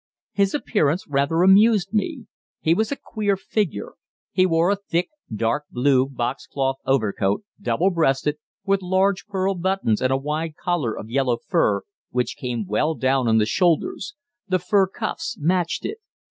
His appearance rather amused me. His was a queer figure. He wore a thick, dark blue box cloth overcoat, double breasted, with large pearl buttons, and a wide collar of yellow fur, which came well down on the shoulders; the fur cuffs matched it.